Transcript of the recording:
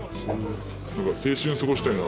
なんか青春過ごしたいなって。